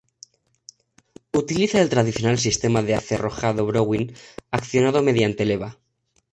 Utiliza el tradicional sistema de acerrojado Browning accionado mediante leva.